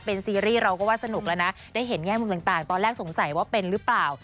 เป็นซีรีส์เราก็ว่าสนุกแล้วนะได้เห็นแง่มุมต่างตอนแรกสงสัยว่าเป็นหรือเปล่า